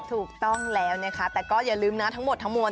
ถูกต้องแล้วนะคะแต่ก็อย่าลืมนะทั้งหมดทั้งมวล